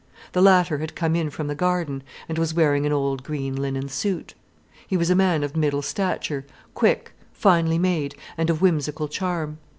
The latter had come in from the garden, and was wearing an old green linen suit. He was a man of middle stature, quick, finely made, and of whimsical charm.